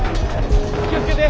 気を付けて！